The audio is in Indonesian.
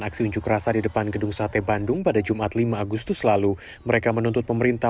aksi unjuk rasa di depan gedung sate bandung pada jumat lima agustus lalu mereka menuntut pemerintah